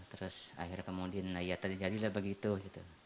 terus akhirnya kemudian ya tadi jadilah begitu gitu